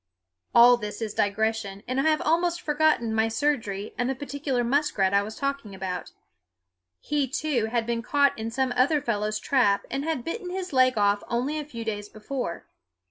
All this is digression; and I have almost forgotten my surgery and the particular muskrat I was talking about. He, too, had been caught in some other fellow's trap and had bitten his leg off only a few days before.